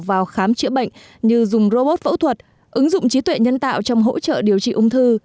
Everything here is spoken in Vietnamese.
vào khám chữa bệnh như dùng robot phẫu thuật ứng dụng trí tuệ nhân tạo trong hỗ trợ điều trị ung thư